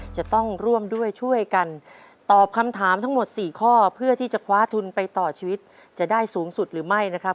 จะต้องร่วมด้วยช่วยกันตอบคำถามทั้งหมด๔ข้อเพื่อที่จะคว้าทุนไปต่อชีวิตจะได้สูงสุดหรือไม่นะครับ